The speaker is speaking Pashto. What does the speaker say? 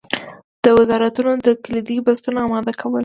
د وزارتونو د کلیدي بستونو اماده کول.